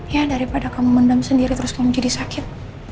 ya daripada kamu mendam sendiri terus kamu jadi sakit